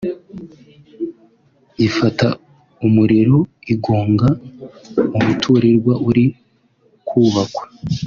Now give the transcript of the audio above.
ifata umuriro igonga umuturirwa uri kubakwa